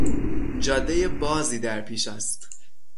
جادهی بازی در پیش است.